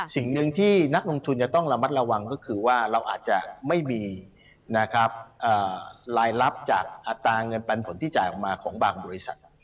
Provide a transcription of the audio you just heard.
สิ่งหนึ่งที่นักลงทุนจะต้องระมัดระวังก็คือว่าเราอาจจะไม่มีนะครับรายรับจากอัตราเงินปันผลที่จ่ายออกมาของบางบริษัท